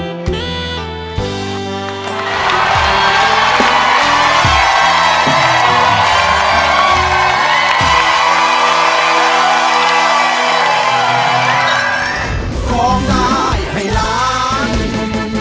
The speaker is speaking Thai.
อยู่เป็นแรงใจเติมไฟให้กันและกันและกัน